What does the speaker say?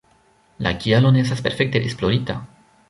La kialo ne estas perfekte esplorita.